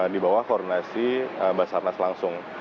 di bawah koordinasi basa harnas langsung